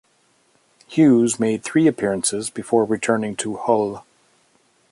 Hughes made three appearances before returning to Hull.